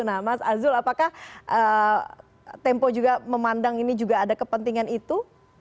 nah mas azul apakah tempo juga memandang ini juga ada kepentingan itu